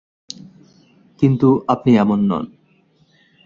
কিন্তু আপনি এমন নন।